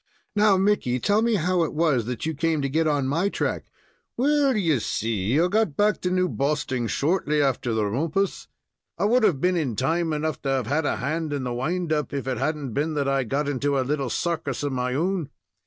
"Now, Mickey, tell me how it was that you came to get on my track." "Well, you see, I got back to New Bosting shortly after the rumpus. I would have been in time enough to have had a hand in the wind up, if it hadn't been that I got into a little circus of my own.